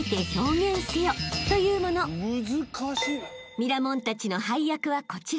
［ミラモンたちの配役はこちら］